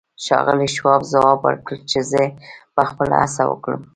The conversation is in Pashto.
ښاغلي شواب ځواب ورکړ چې زه به خپله هڅه وکړم.